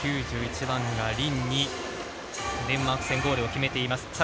９１番がリン・ニ、デンマーク戦ゴールを決めています。